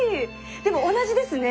でも同じですね